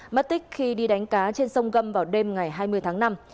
mất tích khi đi đánh cá trên sông gâm vào đêm ngày hai mươi tháng năm